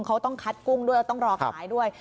เขาต้องคัดกุ้งด้วยแล้วต้องรอขายด้วย